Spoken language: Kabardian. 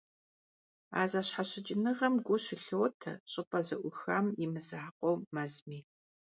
А зэщхьэщыкӀыныгъэм гу щылъотэ щӀыпӀэ зэӀухам и мызакъуэу, мэзми.